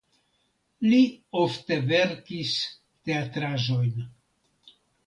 Li ofte verkis teatraĵojn.